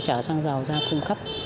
trả xăng dầu ra cung cấp